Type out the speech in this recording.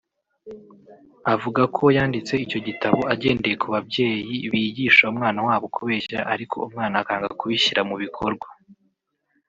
Avuga ko yanditse icyo gitabo agendeye ku babyeyi bigisha umwana wabo kubeshya ariko umwana akanga kubishyira mu bikorwa